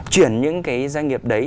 chuyển những cái doanh nghiệp đấy